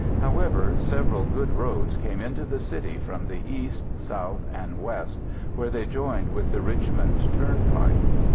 However, several good roads came into the city from the east, south, and west where they joined with the Richmond Turnpike.